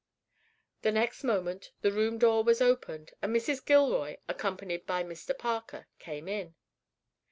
The next moment the room door was opened, and Mrs. Gilroy, accompanied by Mr. Parker, came in.